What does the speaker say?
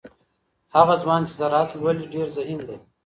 هغه ځوان چې زراعت لولي ډیر ذهین دی.